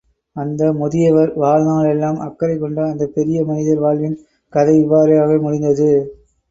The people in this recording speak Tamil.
அந்த முதியவர், வாழ்நாளெல்லால் அக்கறை கொண்ட அந்தப்பெரிய மனிதர் வாழ்வின் கதை இவ்வாறாக முடிந்தது.